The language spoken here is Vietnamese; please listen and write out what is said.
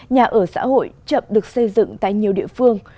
nhà ở xã hội chậm được xây dựng tại nhiều địa phương